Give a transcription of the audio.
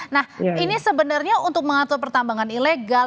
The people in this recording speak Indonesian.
nah ini sebenarnya untuk mengatur pertambangan ilegal